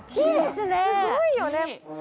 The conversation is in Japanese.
すごいよね。